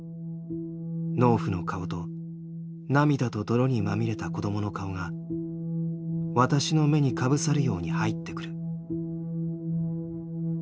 農婦の顔と涙と泥にまみれた子供の顔が私の目にかぶさるようにはいってくる。